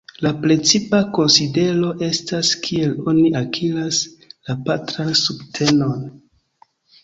La precipa konsidero estas kiel oni akiras la patran subtenon.